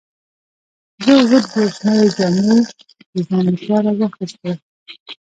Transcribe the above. زه اووه دیرش نوې جامې د ځان لپاره واخیستې.